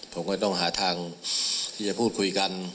ผมก็ต้องหาทางที่จะพูดคุยกัน